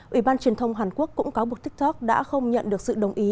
ủy ban truyền thông hàn quốc cũng cáo buộc tiktok đã không nhận được sự đồng ý